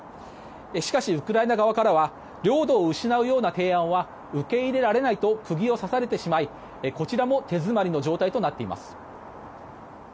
しかし、ウクライナ側からは領土を失うような提案は受け入れられないと釘を刺されてしまいこちらも手詰まりの状態となっています。